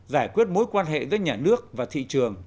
giải quyết mối quan hệ giữa nhà nước và thị trường